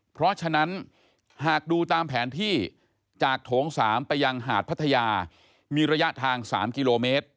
เพราะฉะนั้นหากดูตามแผนที่จากโถง๓ไปยังหาดพัทยามีระยะทาง๓กิโลเมตร